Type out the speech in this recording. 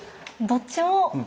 どっちも。